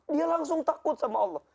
dia langsung takut sama allah